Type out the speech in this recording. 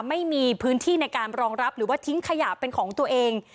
ไม่มีพื้นที่ในการรองรับหรือว่าทิ้งขยะเป็นของตัวเอง